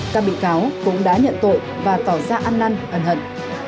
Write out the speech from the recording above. các bị cáo cũng đã nhận tội và tỏ ra ăn năn ẩn hận